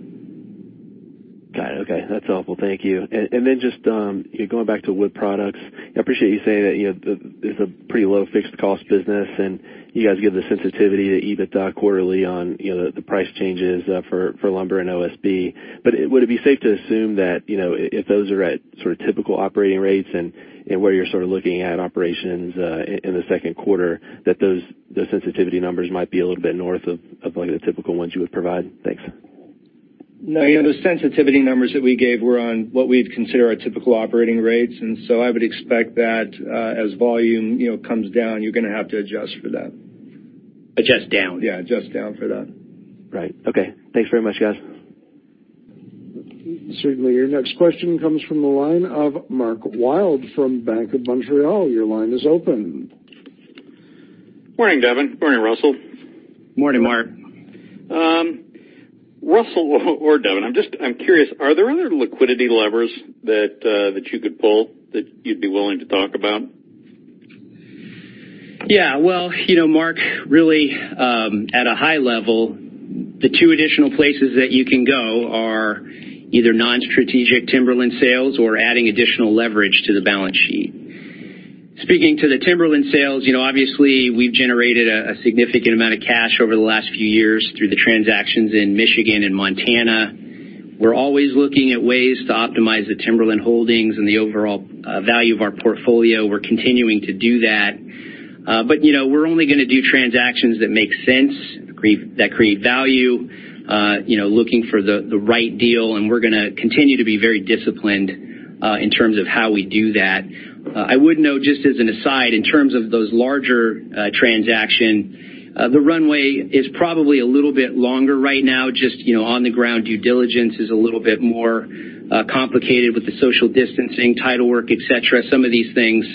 Got it. Okay. That's helpful. Thank you. And then just going back to Wood Products, I appreciate you saying that it's a pretty low fixed cost business, and you guys give the sensitivity to EBITDA quarterly on the price changes for lumber and OSB. But would it be safe to assume that if those are at sort of typical operating rates and where you're sort of looking at operations in the second quarter, that those sensitivity numbers might be a little bit north of the typical ones you would provide? Thanks. No, the sensitivity numbers that we gave were on what we'd consider our typical operating rates. And so I would expect that as volume comes down, you're going to have to adjust for that. Adjust down. Yeah, adjust down for that. Right. Okay. Thanks very much, guys. Certainly, your next question comes from the line of Mark Wilde from Bank of Montreal. Your line is open. Morning, Devin. Morning, Russell. Morning, Mark. Russell or Devin, I'm just curious, are there other liquidity levers that you could pull that you'd be willing to talk about? Yeah. Well, Mark, really, at a high level, the two additional places that you can go are either non-strategic timberland sales or adding additional leverage to the balance sheet. Speaking to the timberland sales, obviously, we've generated a significant amount of cash over the last few years through the transactions in Michigan and Montana. We're always looking at ways to optimize the timberland holdings and the overall value of our portfolio. We're continuing to do that. But we're only going to do transactions that make sense, that create value, looking for the right deal. And we're going to continue to be very disciplined in terms of how we do that. I would note, just as an aside, in terms of those larger transactions, the runway is probably a little bit longer right now. Just on-the-ground due diligence is a little bit more complicated with the social distancing, title work, etc. Some of these things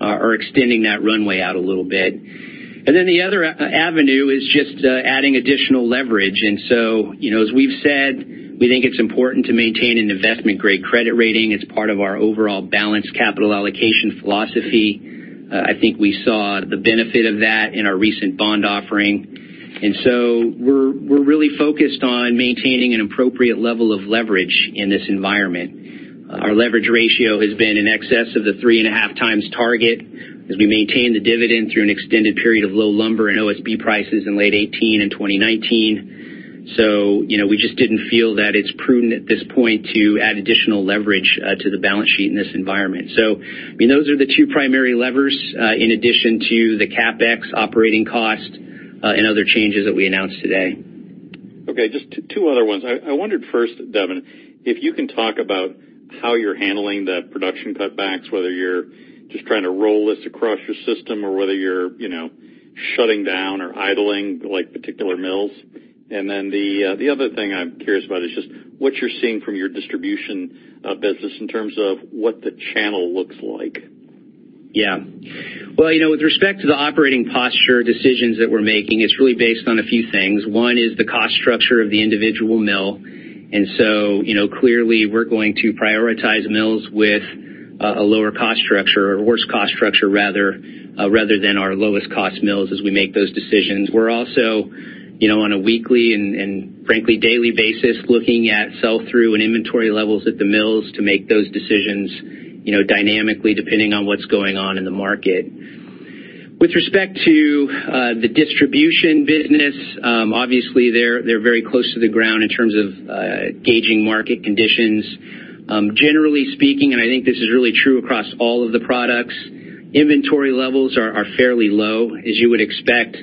are extending that runway out a little bit. And then the other avenue is just adding additional leverage. And so as we've said, we think it's important to maintain an investment-grade credit rating. It's part of our overall balanced capital allocation philosophy. I think we saw the benefit of that in our recent bond offering. And so we're really focused on maintaining an appropriate level of leverage in this environment. Our leverage ratio has been in excess of the 3.5x target as we maintain the dividend through an extended period of low lumber and OSB prices in late 2018 and 2019. So we just didn't feel that it's prudent at this point to add additional leverage to the balance sheet in this environment. So those are the two primary levers in addition to the CapEx, operating cost, and other changes that we announced today. Okay. Just two other ones. I wondered first, Devin, if you can talk about how you're handling the production cutbacks, whether you're just trying to roll this across your system or whether you're shutting down or idling particular mills. And then the other thing I'm curious about is just what you're seeing from your distribution business in terms of what the channel looks like. Yeah. Well, with respect to the operating posture decisions that we're making, it's really based on a few things. One is the cost structure of the individual mill. And so clearly, we're going to prioritize mills with a lower cost structure or worse cost structure rather than our lowest cost mills as we make those decisions. We're also on a weekly and, frankly, daily basis looking at sell-through and inventory levels at the mills to make those decisions dynamically depending on what's going on in the market. With respect to the distribution business, obviously, they're very close to the ground in terms of gauging market conditions. Generally speaking, and I think this is really true across all of the products, inventory levels are fairly low, as you would expect.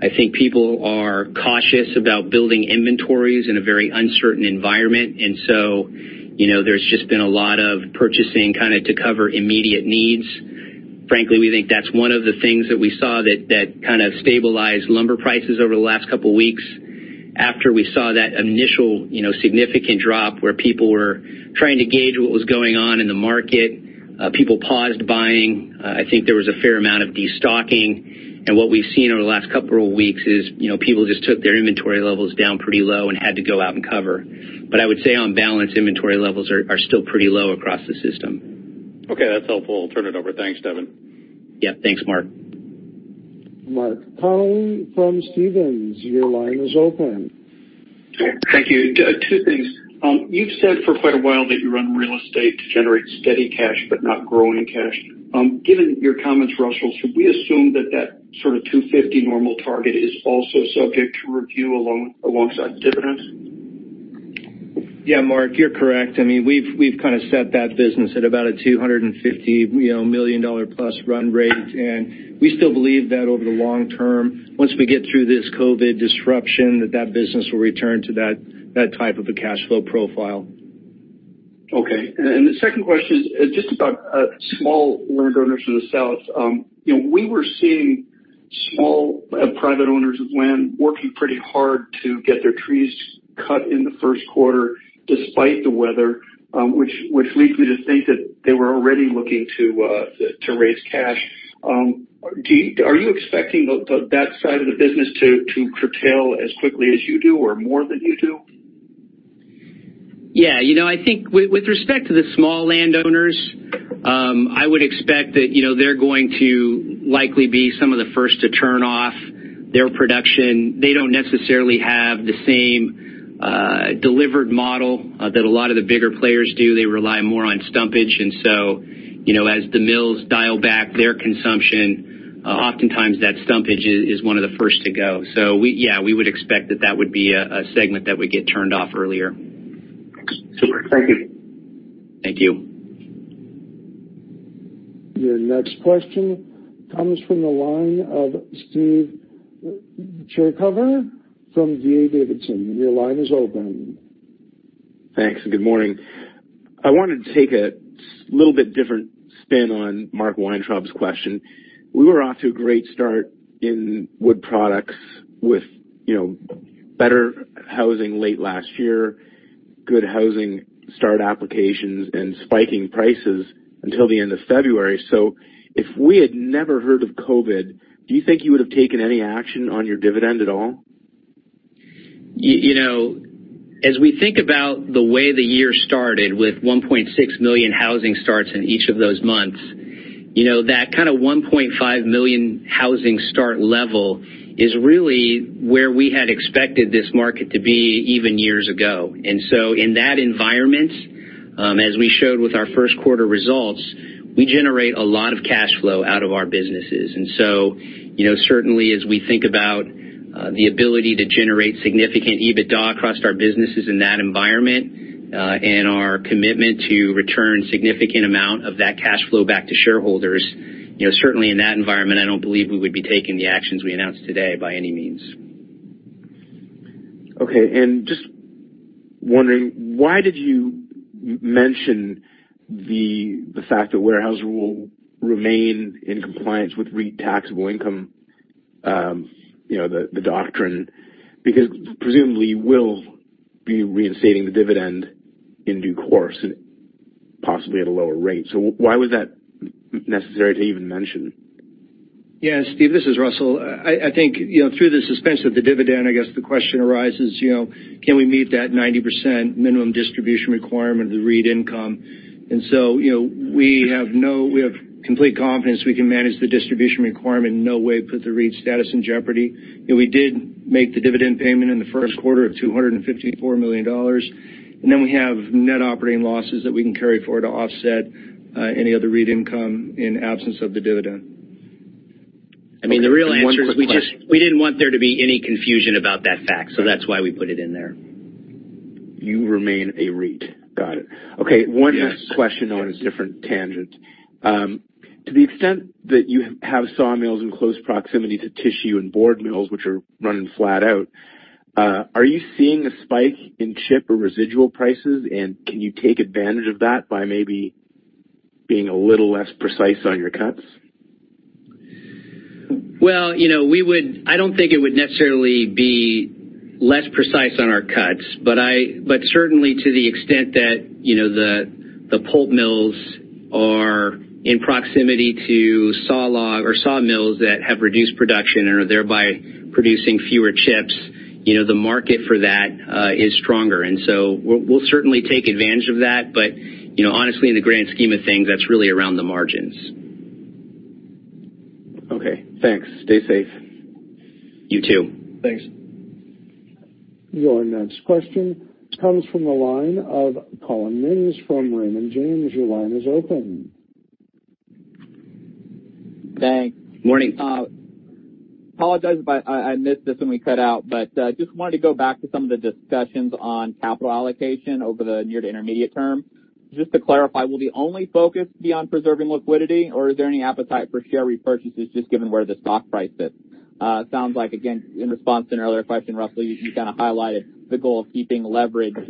I think people are cautious about building inventories in a very uncertain environment. And so there's just been a lot of purchasing kind of to cover immediate needs. Frankly, we think that's one of the things that we saw that kind of stabilized lumber prices over the last couple of weeks after we saw that initial significant drop where people were trying to gauge what was going on in the market. People paused buying. I think there was a fair amount of destocking. And what we've seen over the last couple of weeks is people just took their inventory levels down pretty low and had to go out and cover. But I would say on balance, inventory levels are still pretty low across the system. Okay. That's helpful. I'll turn it over. Thanks, Devin. Yep. Yeah.Thanks, Mark. Mark Connelly from Stephens, your line is open. Thank you. Two things. You've said for quite a while that you run Real Estate to generate steady cash, but not growing cash. Given your comments, Russell, should we assume that that sort of $250 normal target is also subject to review alongside dividends? Yeah, Mark, you're correct. I mean, we've kind of set that business at about a $250 million dollar plus run rate. And we still believe that over the long term, once we get through this COVID disruption, that business will return to that type of a cash flow profile. Okay. And the second question is just about small landowners in the South. We were seeing small private owners of land working pretty hard to get their trees cut in the first quarter despite the weather, which leads me to think that they were already looking to raise cash. Are you expecting that side of the business to curtail as quickly as you do or more than you do? Yeah. I think with respect to the small landowners, I would expect that they're going to likely be some of the first to turn off their production. They don't necessarily have the same delivered model that a lot of the bigger players do. They rely more on stumpage. And so as the mills dial back their consumption, oftentimes that stumpage is one of the first to go. So yeah, we would expect that that would be a segment that would get turned off earlier. Super exciting. Thank you. Thank you. Your next question comes from the line of Steve Chercover from D.A. Davidson. Your line is open. Thanks. Good morning. I wanted to take a little bit different spin on Mark Weintraub's question. We were off to a great start in Wood Products with better housing late last year, good housing start applications, and spiking prices until the end of February. So if we had never heard of COVID, do you think you would have taken any action on your dividend at all? As we think about the way the year started with 1.6 million housing starts in each of those months, that kind of 1.5 million housing start level is really where we had expected this market to be even years ago. And so in that environment, as we showed with our first quarter results, we generate a lot of cash flow out of our businesses. And so certainly, as we think about the ability to generate significant EBITDA across our businesses in that environment and our commitment to return a significant amount of that cash flow back to shareholders, certainly in that environment, I don't believe we would be taking the actions we announced today by any means. Okay. And just wondering, why did you mention the fact that Weyerhaeuser will remain in compliance with REIT taxable income requirement? Because presumably you will be reinstating the dividend in due course, possibly at a lower rate. So why was that necessary to even mention? Yeah. Steve, this is Russell. I think through the suspension of the dividend, I guess the question arises, can we meet that 90% minimum distribution requirement of the REIT income? And so we have complete confidence we can manage the distribution requirement in no way put the REIT status in jeopardy. We did make the dividend payment in the first quarter of $254 million. And then we have net operating losses that we can carry forward to offset any other REIT income in absence of the dividend. I mean, the real answer is we didn't want there to be any confusion about that fact. So that's why we put it in there. You remain a REIT. Got it. Okay. One question on a different tangent. To the extent that you have sawmills in close proximity to tissue and board mills, which are running flat out, are you seeing a spike in chip or residual prices? And can you take advantage of that by maybe being a little less precise on your cuts? Well, I don't think it would necessarily be less precise on our cuts. But certainly, to the extent that the pulp mills are in proximity to sawmills that have reduced production and are thereby producing fewer chips, the market for that is stronger. And so we'll certainly take advantage of that. But honestly, in the grand scheme of things, that's really around the margins. Okay. Thanks. Stay safe. You too. Thanks. Your next question comes from the line of Collin Mings from Raymond James. Your line is open. Thanks. Morning. Apologize if I missed this when we cut out, but just wanted to go back to some of the discussions on capital allocation over the near to intermediate term. Just to clarify, will the only focus be on preserving liquidity, or is there any appetite for share repurchases just given where the stock price is? Sounds like, again, in response to an earlier question, Russell, you kind of highlighted the goal of keeping leverage at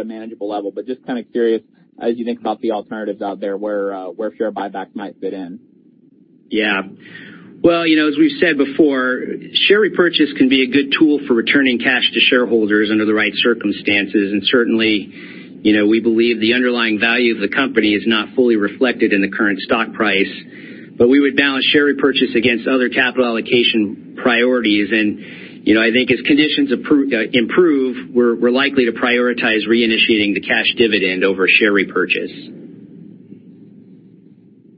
a manageable level. But just kind of curious, as you think about the alternatives out there, where share buybacks might fit in. Yeah. Well, as we've said before, share repurchase can be a good tool for returning cash to shareholders under the right circumstances. Certainly, we believe the underlying value of the company is not fully reflected in the current stock price, but we would balance share repurchase against other capital allocation priorities, and I think as conditions improve, we're likely to prioritize reinitiating the cash dividend over share repurchase.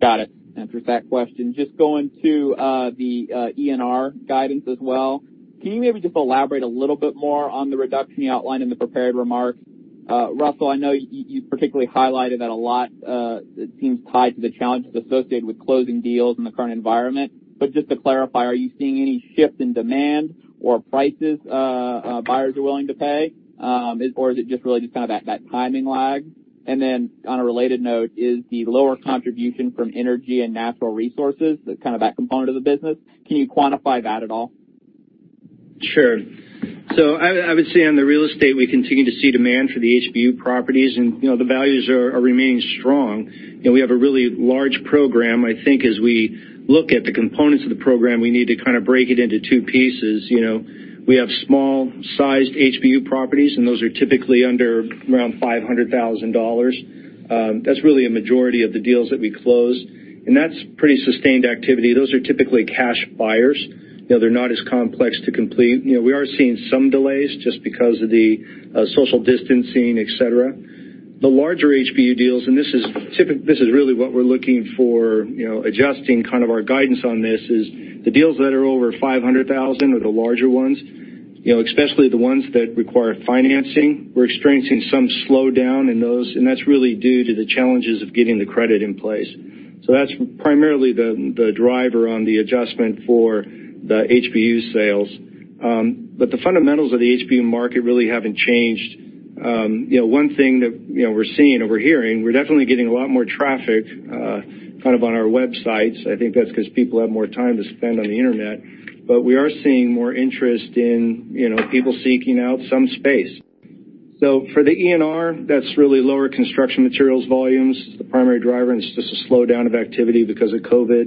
Got it. Answered that question. Just going to the ENR guidance as well. Can you maybe just elaborate a little bit more on the reduction you outlined in the prepared remarks? Russell, I know you particularly highlighted that a lot. It seems tied to the challenges associated with closing deals in the current environment, but just to clarify, are you seeing any shift in demand or prices buyers are willing to pay? Or is it just really just kind of that timing lag? And then, on a related note, is the lower contribution from Energy and Natural Resources, kind of that component of the business, can you quantify that at all? Sure. So I would say on the Real Estate, we continue to see demand for the HBU properties, and the values are remaining strong. We have a really large program. I think as we look at the components of the program, we need to kind of break it into two pieces. We have small-sized HBU properties, and those are typically under around $500,000. That's really a majority of the deals that we close. And that's pretty sustained activity. Those are typically cash buyers. They're not as complex to complete. We are seeing some delays just because of the social distancing, etc. The larger HBU deals, and this is really what we're looking for adjusting kind of our guidance on this, is the deals that are over 500,000 are the larger ones, especially the ones that require financing. We're experiencing some slowdown in those, and that's really due to the challenges of getting the credit in place. So that's primarily the driver on the adjustment for the HBU sales. But the fundamentals of the HBU market really haven't changed. One thing that we're seeing over here, we're definitely getting a lot more traffic kind of on our websites. I think that's because people have more time to spend on the internet. But we are seeing more interest in people seeking out some space. So for the ENR, that's really lower construction materials volumes. It's the primary driver, and it's just a slowdown of activity because of COVID.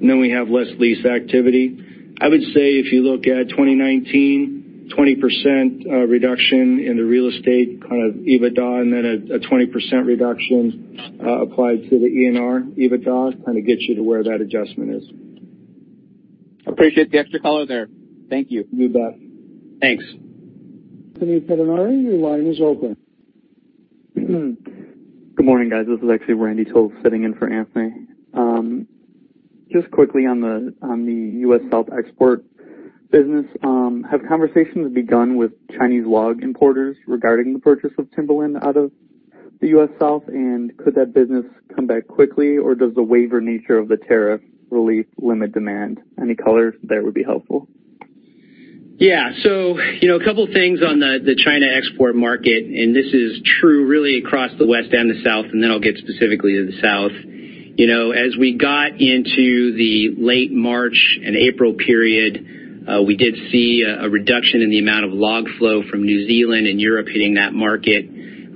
And then we have less lease activity. I would say if you look at 2019, 20% reduction in the Real Estate kind of EBITDA, and then a 20% reduction applied to the ENR EBITDA kind of gets you to where that adjustment is. Appreciate the extra color there. Thank you. [You bet]. Thanks. Anthony Pettinari, your line is open. Good morning, guys. This is actually Randy Toth sitting in for Anthony. Just quickly on the U.S. South export business, have conversations begun with Chinese log importers regarding the purchase of timberlands out of the U.S. South? And could that business come back quickly, or does the waiver nature of the tariff relief limit demand? Any color there would be helpful. Yeah. So a couple of things on the China export market, and this is true really across the West and the South, and then I'll get specifically to the South. As we got into the late March and April period, we did see a reduction in the amount of log flow from New Zealand and Europe hitting that market.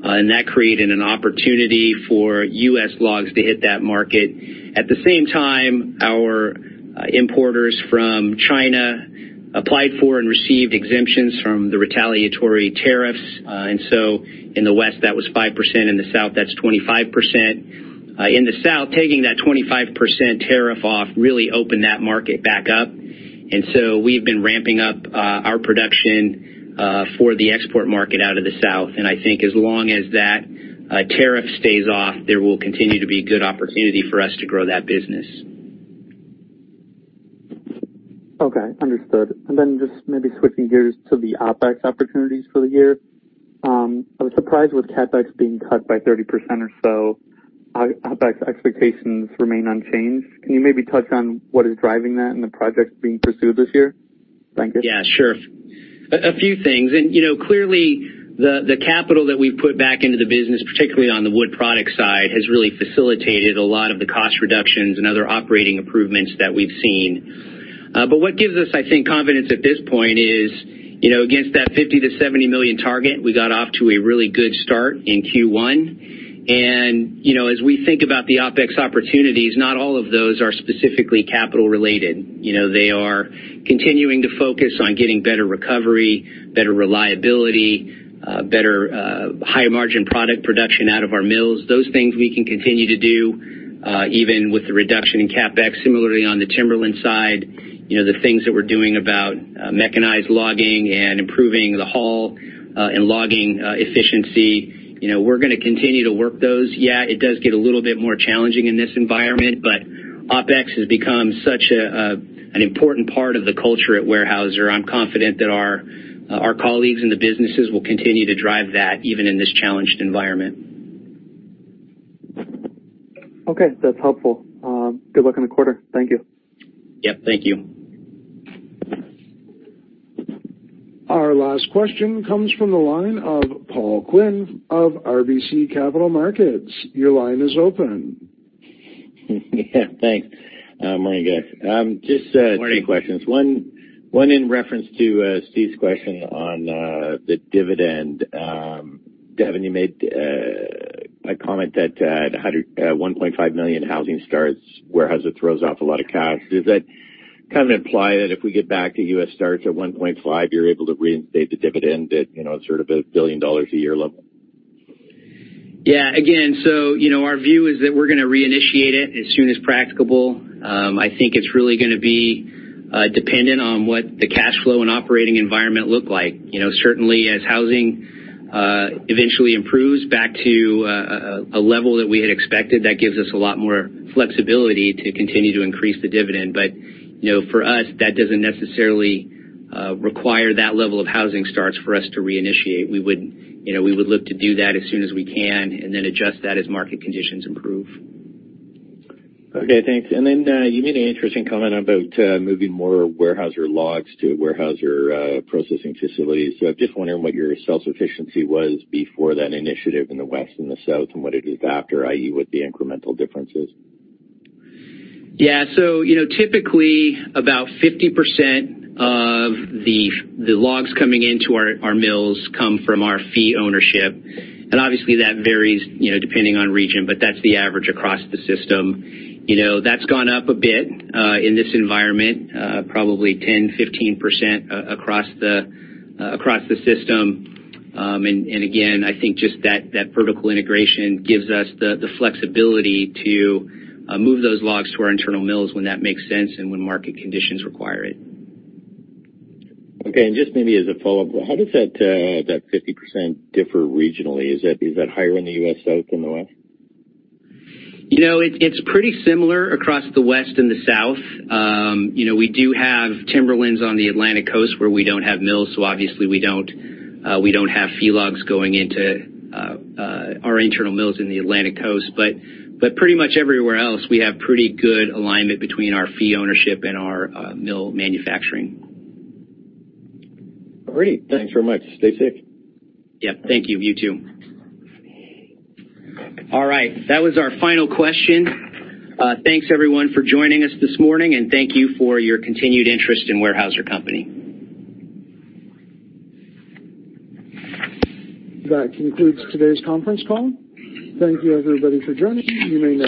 That created an opportunity for U.S. logs to hit that market. At the same time, our importers from China applied for and received exemptions from the retaliatory tariffs. In the West, that was 5%. In the South, that's 25%. In the South, taking that 25% tariff off really opened that market back up. We've been ramping up our production for the export market out of the South. I think as long as that tariff stays off, there will continue to be good opportunity for us to grow that business. Okay. Understood. Just maybe switching gears to the OpEx opportunities for the year. I was surprised with CapEx being cut by 30% or so. OpEx expectations remain unchanged. Can you maybe touch on what is driving that and the projects being pursued this year? Thank you. Yeah, sure. A few things. And clearly, the capital that we've put back into the business, particularly on the Wood Products side, has really facilitated a lot of the cost reductions and other operating improvements that we've seen. But what gives us, I think, confidence at this point is, against that $50 million-$70 million target, we got off to a really good start in Q1. And as we think about the OpEx opportunities, not all of those are specifically capital related. They are continuing to focus on getting better recovery, better reliability, better high-margin product production out of our mills. Those things we can continue to do even with the reduction in CapEx. Similarly, on the Timberlands side, the things that we're doing about mechanized logging and improving the haul and logging efficiency, we're going to continue to work those. Yeah, it does get a little bit more challenging in this environment, but OpEx has become such an important part of the culture at Weyerhaeuser. I'm confident that our colleagues in the businesses will continue to drive that even in this challenged environment. Okay. That's helpful. Good luck in the quarter. Thank you. Yeah. Thank you. Our last question comes from the line of Paul Quinn of RBC Capital Markets. Your line is open. Yeah. Thanks. Morning, guys. Just two questions. One in reference to Steve's question on the dividend. Devin, you made a comment that at 1.5 million housing starts, Weyerhaeuser throws off a lot of cash. Does that kind of imply that if we get back to U.S. starts at 1.5, you're able to reinstate the dividend at sort of $1 billion a year level? Yeah. Again, so our view is that we're going to reinitiate it as soon as practicable. I think it's really going to be dependent on what the cash flow and operating environment look like. Certainly, as housing eventually improves back to a level that we had expected, that gives us a lot more flexibility to continue to increase the dividend. But for us, that doesn't necessarily require that level of housing starts for us to reinitiate. We would look to do that as soon as we can and then adjust that as market conditions improve. Okay. Thanks. And then you made an interesting comment about moving more wood or logs to warehouses or processing facilities. So I'm just wondering what your self-sufficiency was before that initiative in the West and the South and what it is after, i.e., with the incremental differences. Yeah. So typically, about 50% of the logs coming into our mills come from our fee ownership. And obviously, that varies depending on region, but that's the average across the system. That's gone up a bit in this environment, probably 10%-15% across the system. And again, I think just that vertical integration gives us the flexibility to move those logs to our internal mills when that makes sense and when market conditions require it. Okay. And just maybe as a follow-up, how does that 50% differ regionally? Is that higher in the U.S. South than the West? It's pretty similar across the West and the South. We do have Timberlands on the Atlantic Coast where we don't have mills. So obviously, we don't have fee logs going into our internal mills in the Atlantic Coast. But pretty much everywhere else, we have pretty good alignment between our fee ownership and our mill manufacturing. All righty. Thanks very much. Stay safe. Yeah. Thank you. You too. All right. That was our final question. Thanks, everyone, for joining us this morning, and thank you for your continued interest in Weyerhaeuser Company. That concludes today's conference call. Thank you, everybody, for joining. You may now--